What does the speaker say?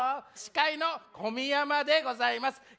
司会のこみやまでございます。